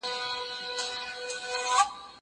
ايا ته کتابتون پاکوې.